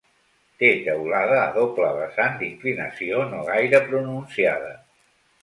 Té teulada a doble vessant d'inclinació no gaire pronunciada.